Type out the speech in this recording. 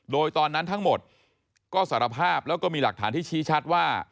โดยตอนนั้นทั้งหมดก็สารภาพแล้วก็มีหลักฐานที่ชี้ชัดว่า